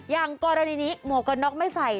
อย่างกรณีนี้หมวกกันน็อกไม่ใส่